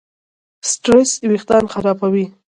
سټرېس وېښتيان خرابوي.